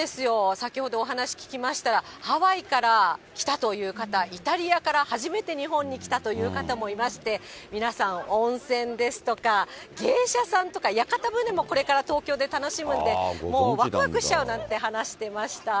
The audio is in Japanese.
先ほどお話聞きましたら、ハワイから来たという方、イタリアから初めて日本に来たという方もいまして、皆さん、温泉ですとか、芸者さんとか屋形船もこれから東京で楽しむんで、もうわくわくしちゃうなんて話してました。